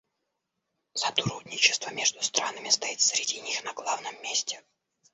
Сотрудничество между странами стоит среди них на главном месте.